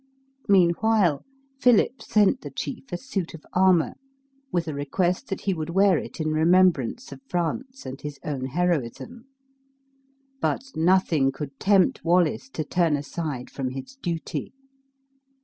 Meanwhile Philip sent the chief a suit of armor, with a request that he would wear it in remembrance of France and his own heroism. But nothing could tempt Wallace to turn aside from his duty.